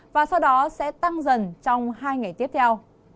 và sau đó sẽ tăng dần trong hai ngày tiếp theo